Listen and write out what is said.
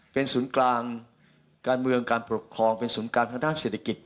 เป็นศูนย์กลางการเมืองการปกครองเป็นศูนย์กลางทางด้านเศรษฐกิจ